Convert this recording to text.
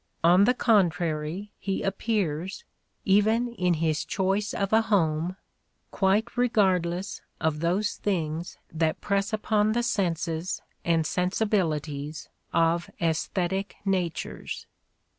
On the contrary he appears, even in his choice of a home, quite regardless of those things that press upon the senses and sensibilities of esthetic natures.